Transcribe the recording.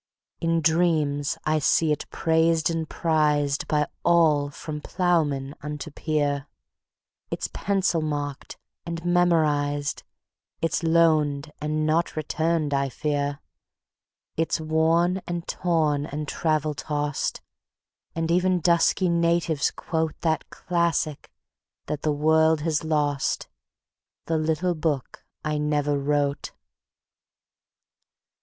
In dreams I see it praised and prized By all, from plowman unto peer; It's pencil marked and memorized, It's loaned (and not returned, I fear); It's worn and torn and travel tossed, And even dusky natives quote That classic that the world has lost, The Little Book I Never Wrote.